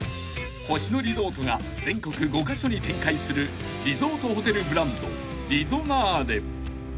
［星野リゾートが全国５カ所に展開するリゾートホテルブランドリゾナーレ］